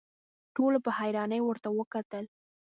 ټولو په حيرانۍ ورته وکتل.